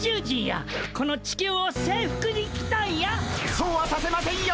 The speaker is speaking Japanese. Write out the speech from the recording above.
そうはさせませんよ！